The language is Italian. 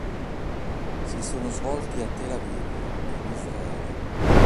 Si sono svolti a Tel Aviv, in Israele.